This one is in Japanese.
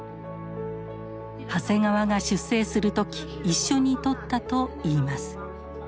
長谷川が出征する時一緒に撮ったといいます。